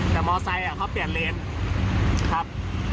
แต่มอเตอร์ไซค์อ่ะเขาเปลี่ยนเลนส์ครับ